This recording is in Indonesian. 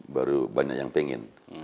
baru banyak yang pengen